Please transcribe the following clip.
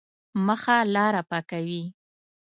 مخه لاره پاکوي.